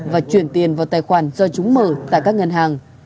và chuyển tiền vào tài khoản do chúng mở tại các ngân hàng